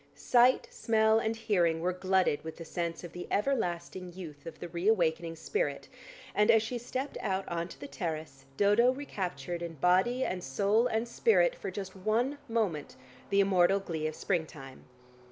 Sight, smell and hearing were glutted with the sense of the ever lasting youth of the re awakening earth, and as she stepped out on to the terrace, Dodo recaptured in body and soul and spirit, for just one moment, the immortal glee of springtime.